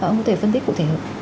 ông có thể phân tích cụ thể hơn